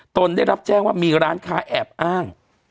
ได้รับแจ้งว่ามีร้านค้าแอบอ้าง